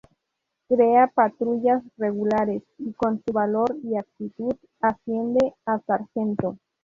Crea patrullas regulares y con su valor y actitud asciende a sargento.